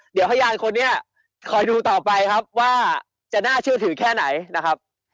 เดี๋ยวพยานคนนี้คอยดูต่อไปครับว่าจะน่าเชื่อถือแค่ไหนนะครับ